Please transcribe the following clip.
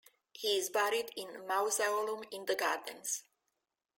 He is buried in a mausoleum in the gardens.